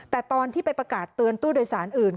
แต่ตอนที่ไปประกาศเตือนตู้โดยสารอื่น